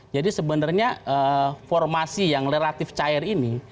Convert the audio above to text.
jadi sebenarnya formasi yang relatif cair ini